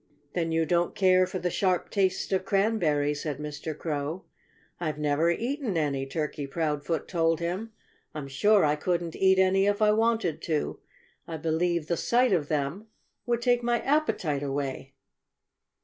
"Then you don't care for the sharp taste of cranberries," said Mr. Crow. "I've never eaten any," Turkey Proudfoot told him. "I'm sure I couldn't eat any if I wanted to. I believe the sight of them would take my appetite away."